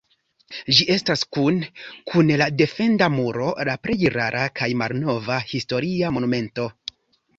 Ĝi estas kune kun la defenda muro la plej rara kaj malnova historia monumento.